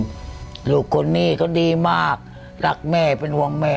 ผมอยากจะหารถสันเร็งสักครั้งนึงคือเอาเอาหมอนหรือที่นอนอ่ะมาลองเขาไม่เจ็บปวดครับ